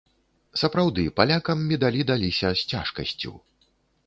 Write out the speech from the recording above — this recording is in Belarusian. Сапраўды, палякам медалі даліся з цяжкасцю.